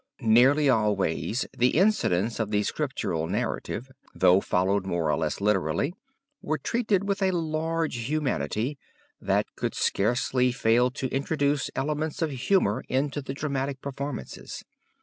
Nearly always the incidents of the Scriptural narrative though followed more or less literally, were treated with a large humanity that could scarcely fail to introduce elements of humor into the dramatic performances.